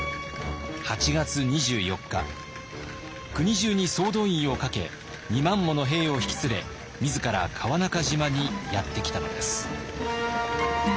国じゅうに総動員をかけ２万もの兵を引き連れ自ら川中島にやって来たのです。